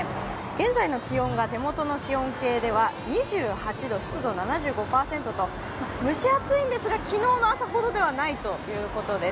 現在の気温が手元では２８度、湿度７５％と、蒸し暑いんですが、昨日の朝ほどではないということです。